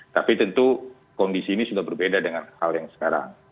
tapi tentu kondisi ini sudah berbeda dengan hal yang sekarang